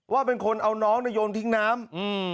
ว่าเป็นคนเอาน้องเนี่ยโยนทิ้งน้ำอืม